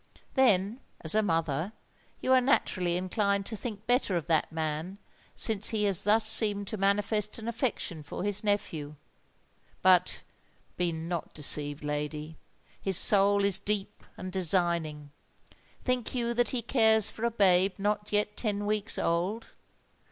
Then, as a mother, you are naturally inclined to think better of that man since he has thus seemed to manifest an affection for his nephew. But, be not deceived, lady—his soul is deep and designing! Think you that he cares for a babe not yet ten weeks old?